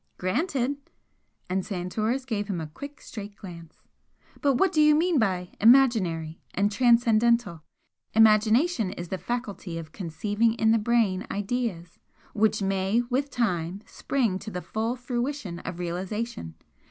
"Granted!" And Santoris gave him a quick, straight glance "But what do you mean by 'imaginary' and 'transcendental'? Imagination is the faculty of conceiving in the brain ideas which may with time spring to the full fruition of realisation.